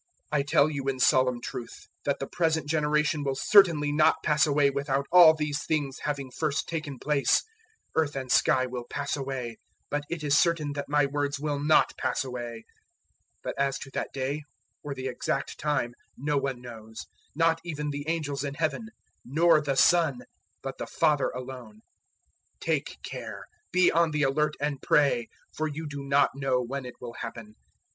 013:030 I tell you in solemn truth that the present generation will certainly not pass away without all these things having first taken place. 013:031 Earth and sky will pass away, but it is certain that my words will not pass away. 013:032 "But as to that day or the exact time no one knows not even the angels in Heaven, nor the Son, but the Father alone. 013:033 Take care, be on the alert, and pray; for you do not know when it will happen.